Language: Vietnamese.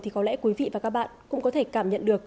thì có lẽ quý vị và các bạn cũng có thể cảm nhận được